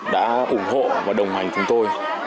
đã ủng hộ và đồng hành cùng tôi